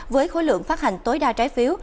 với khối lượng phát hành tối đa trái phiếu